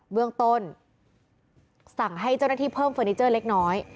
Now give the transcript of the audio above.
เบื้องต้นสั่งให้เจ้าหน้าที่เพิ่มเฟอร์นิเจอร์เล็กน้อย